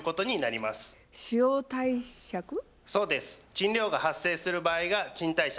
賃料が発生する場合が賃貸借。